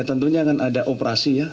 tentunya akan ada operasi ya